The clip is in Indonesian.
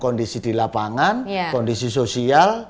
kondisi di lapangan kondisi sosial